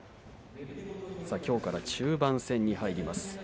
きょうから中盤戦に入ります